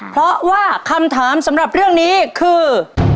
เพราะว่าคำถามสำหรับเรื่องนี้คือ